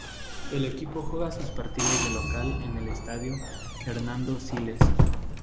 El equipo juega sus partidos de local en el Estadio Hernando Siles.